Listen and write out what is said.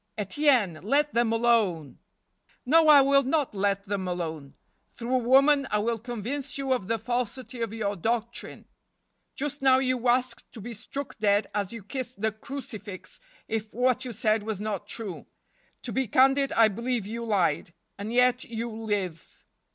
Etienne, let them alone! "" No, I will not let them alone. Through a woman I will convince you of the falsity of your doctrine. Just now you asked to be struck dead as you kissed the crucifix if what you said was not true. To be candid, I believe you lied. And yet you live.